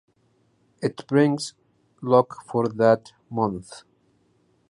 It brings luck for that month.